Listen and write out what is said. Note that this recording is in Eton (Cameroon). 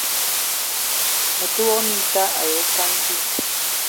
Me te wok minta ayi okwuan vi.